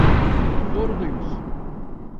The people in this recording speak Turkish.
Doğru duymuşsun.